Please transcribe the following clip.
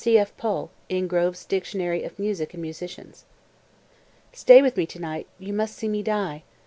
C.F. Pohl, in "Grove's Dictionary of Music and Musicians."]) 228. "Stay with me to night; you must see me die.